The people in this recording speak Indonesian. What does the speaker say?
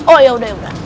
oh yaudah yaudah